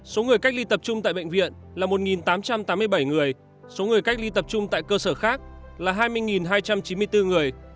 số người cách ly tập trung tại bệnh viện là một tám trăm tám mươi bảy người số người cách ly tập trung tại cơ sở khác là hai mươi hai trăm chín mươi bốn người